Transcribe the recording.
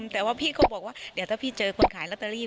แต่ว่าพี่ก็บอกว่าเดี๋ยวถ้าพี่เจอคนขายลอตเตอรี่